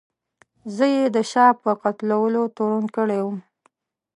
زه یې د شاه په قتلولو تورن کړی وم.